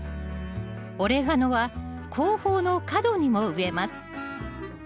オレガノは後方の角にも植えます